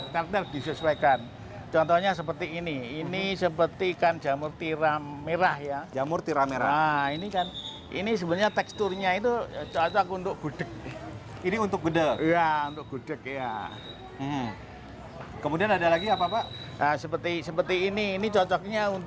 kesehatan di jejamuran setiap wisatawan bisa menikmati kelezatan olahan makanan dan minuman berbahan baku jamur